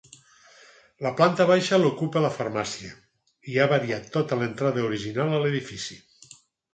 La planta baixa l'ocupa la farmàcia i ha variat tota l'entrada original a l'edifici.